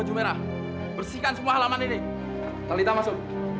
aku mau ke rumah sama kamu